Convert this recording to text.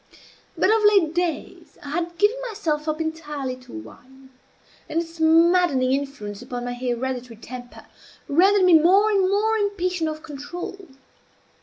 But, of late days, I had given myself up entirely to wine; and its maddening influence upon my hereditary temper rendered me more and more impatient of control.